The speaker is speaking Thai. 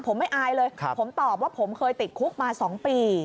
ผมไม่อายเลยผมตอบว่าผมเคยติดคุกมา๒ปี